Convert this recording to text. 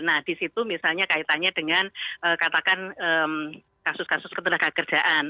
nah di situ misalnya kaitannya dengan katakan kasus kasus ketenaga kerjaan